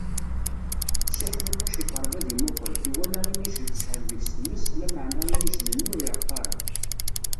Si Ḥmiṭuc iqerreb ad imuqel, iwala inijjel tecɛel deg-s tmes, lameɛna inijlel-nni ur ireqq ara.